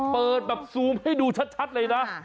เปิดแบบซูมให้ดูชัดเลยนะ